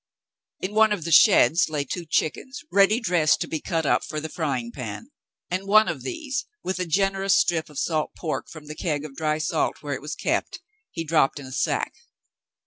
In one of the sheds lay two chickens, ready dressed to be cut up for the frying pan, and one of these, with a generous strip of salt pork from the keg of dry salt where it was kept, he dropped in a sack.